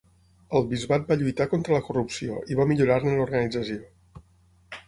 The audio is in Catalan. Al bisbat va lluitar contra la corrupció i va millorar-ne l'organització.